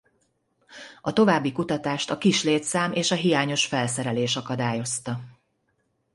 A további kutatást a kis létszám és a hiányos felszerelés akadályozta.